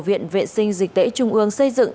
viện vệ sinh dịch tễ trung ương xây dựng